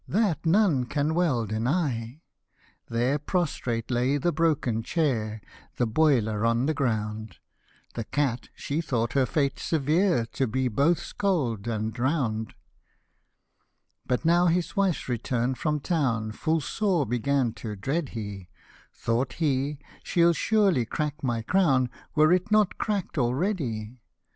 That none can well deny " There prostrate lay the broken chair, The boiler on the ground : The cat, she thought her fate severe, To be both scal'd and drown'd* But now his wife's return from town Full sore began to dread he ; Thought he, " she'd surely crack niy crown, Were it not crack'd already."